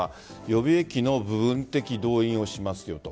予備役の部分的動員をしますよと。